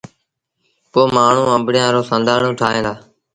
پو مآڻهوٚٚݩ آݩبڙيآݩ رو سآݩڌآڻو ٺاهيݩ دآ۔